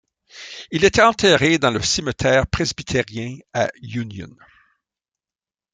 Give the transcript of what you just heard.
Il est enterré dans le cimetière Presbytérien à Union.